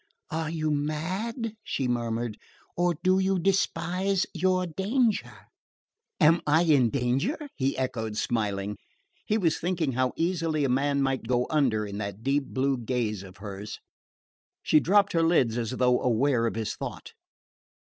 "Are you mad," she murmured, "or do you despise your danger?" "Am I in danger?" he echoed smiling. He was thinking how easily a man might go under in that deep blue gaze of hers. She dropped her lids as though aware of his thought.